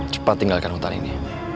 cepat tinggalkan hutan ini